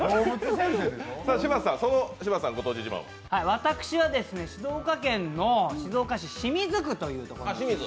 私は静岡県の静岡市清水区というところです。